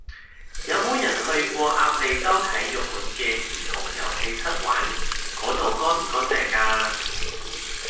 有無人去過鴨脷洲體育館嘅兒童遊戲室玩？嗰度乾唔乾淨㗎？